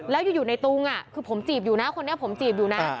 แล้วอยู่ในตุงคือผมจีบอยู่นะคนนี้ผมจีบอยู่นะ